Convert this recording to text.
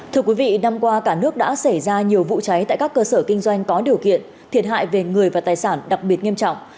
thưa quý vị năm qua cả nước đã xảy ra nhiều vụ cháy tại các cơ sở kinh doanh có điều kiện thiệt hại về người và tài sản đặc biệt nghiêm trọng